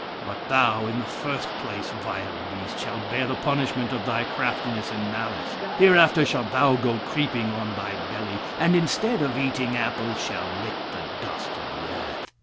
But thou, in the first place, vile beast, shall bear the punishment of thy craftiness and malice. Hereafter shall thou go creeping on thy belly, and instead of eating apples, shall lick the dust of the earth.